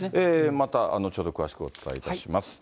また後ほど詳しくお伝えいたします。